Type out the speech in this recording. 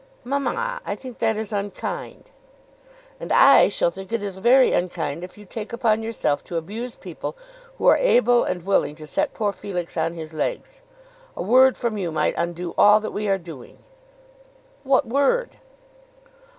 "Mamma, I think that is unkind." "And I shall think it very unkind if you take upon yourself to abuse people who are able and willing to set poor Felix on his legs. A word from you might undo all that we are doing." "What word?"